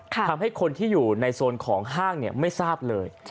ทำให้คนที่อยู่ในโซนของห้างไม่ทราบเลย